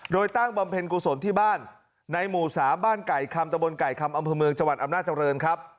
โดยตั้งบำเพ็ญกุศลที่บ้านในหมู่๓บ้านไก่คำตะบนไก่คำอำเภอเมืองจังหวัดอำนาจริงครับ